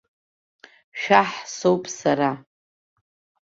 Шәаҳ соуп сара!